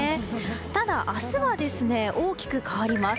ただ、明日は大きく変わります。